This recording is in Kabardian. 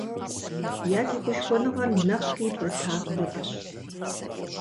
Я тегушхуэныгъэр нэхъри бэта хуэдэщ.